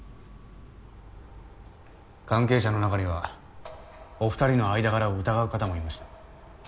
関係者の中にはお２人の間柄を疑う方もいました。